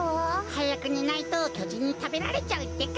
はやくねないときょじんにたべられちゃうってか？